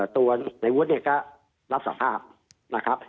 ตัวนายวจน์นี่ก็รับสารภาพ